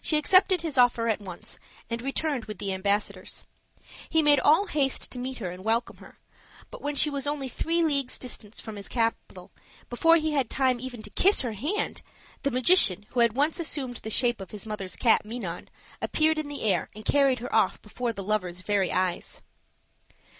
She accepted his offer at once, and returned with the ambassadors. He made all haste to meet and welcome her, but when she was only three leagues distant from his capital, before he had time even to kiss her hand, the magician who had once assumed the shape of his mother's cat, Minon, appeared in the air and carried her off before the lover's very eyes.